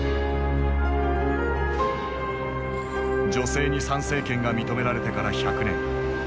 女性に参政権が認められてから百年。